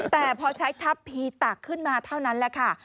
แต่พอใช้ทัพผีตักขึ้นมาเท่านั้นแหละค่ะ